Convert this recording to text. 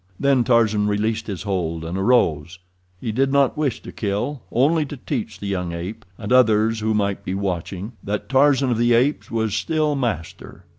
Then Tarzan released his hold and arose—he did not wish to kill, only to teach the young ape, and others who might be watching, that Tarzan of the Apes was still master.